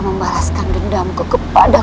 membalaskan dendamku kepada